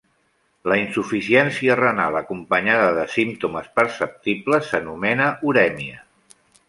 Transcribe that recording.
La insuficiència renal acompanyada de símptomes perceptibles s'anomena urèmia.